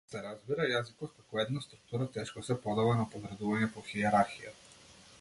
Се разбира, јазикот како една структура тешко се подава на подредување по хиерархија.